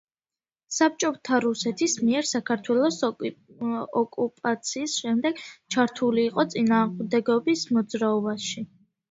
საბჭოთა რუსეთის მიერ საქართველოს ოკუპაციის შემდეგ ჩართული იყო წინააღმდეგობის მოძრაობაში.